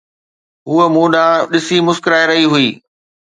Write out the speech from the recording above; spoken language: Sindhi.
هوءَ مون ڏانهن ڏسي مسڪرائي رهي هئي